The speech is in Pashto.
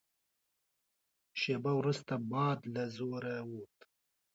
شېبه وروسته باد له زوره ووت.